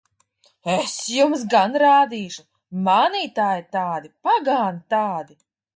Es jums gan rādīšu! Mānītāji tādi! Pagāni tādi!